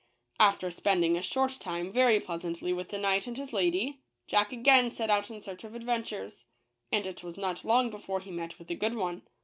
After spending a short time very pleasantly with the knight and his lady, Jack again set out in search of adventures. And it was not long before he met with a good one.